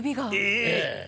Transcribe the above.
ええ。